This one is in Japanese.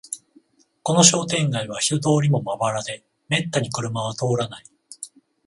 この商店街は人通りもまばらで、めったに車は通らない